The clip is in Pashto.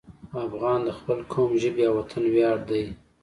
افغان د خپل قوم، ژبې او وطن ویاړ دی.